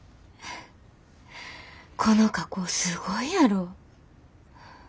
この加工すごいやろ。